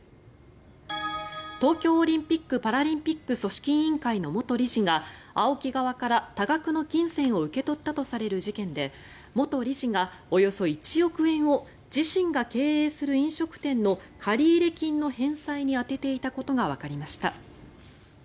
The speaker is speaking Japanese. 東京オリンピック・パラリンピック組織委員会の元理事がＡＯＫＩ側から多額の金銭を受け取ったとされる事件で元理事が、およそ１億円を自身が経営する飲食店の借入金の返済に充てていたことがわかりました。